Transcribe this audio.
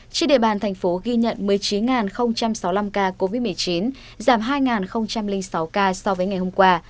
trên địa bàn thành phố ghi nhận một mươi chín sáu mươi năm ca covid một mươi chín giảm hai sáu ca so với ngày hôm qua